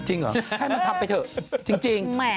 จริงเหรอให้มันทำไปเถอะจริง